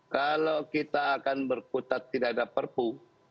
kalau kita akan berkutat tidak ada perpu